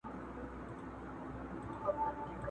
له مودو وروسته پر ښو خوړو مېلمه وو؛